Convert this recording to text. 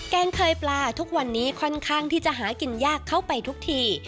งเคยปลาทุกวันนี้ค่อนข้างที่จะหากินยากเข้าไปทุกที